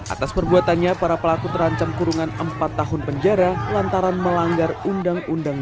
atas perbuatannya para pelaku terancam kurungan empat tahun penjara lantaran melanggar undang undang